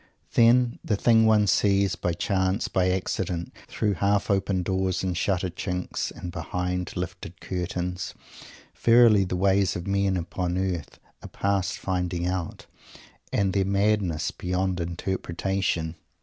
Then, the things one sees, by chance, by accident, through half open doors and shutter chinks and behind lifted curtains! Verily the ways of men upon earth are past finding out, and their madness beyond interpretation!